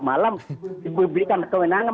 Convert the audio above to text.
malah diberikan kewenangan